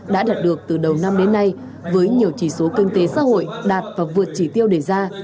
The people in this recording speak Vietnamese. đã đạt được từ đầu năm đến nay với nhiều chỉ số kinh tế xã hội đạt và vượt chỉ tiêu đề ra